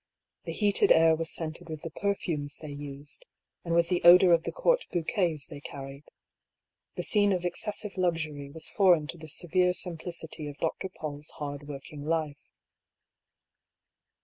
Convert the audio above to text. The heated air was scented with the perfumes they used, and with the odour of the Court bouquets they carried. The scene of excessive luxury was foreign to the severe simplicity of Dr. Paull's hard working life.